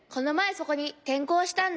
そこにてんこうしたんだ。